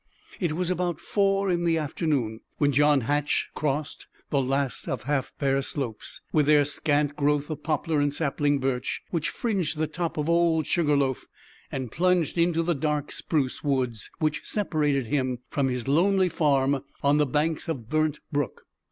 It was about four in the afternoon when John Hatch crossed the last of the half bare slopes, with their scant growth of poplar and sapling birch, which fringed the foot of Old Sugar Loaf, and plunged into the dark spruce woods which separated him from his lonely farm on the banks of Burnt Brook.